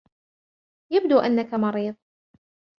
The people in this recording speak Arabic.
يبدو أنك مريض